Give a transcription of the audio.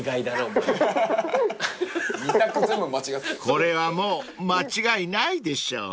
［これはもう間違いないでしょう］